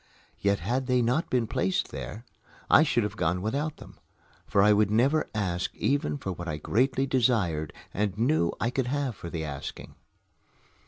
Yet had they not been placed there, I should have gone without them, for I would never ask even for what I greatly desired and knew I could have for the asking.